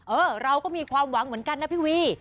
เออเราก็มีความหวังเหมือนกันนะพี่วี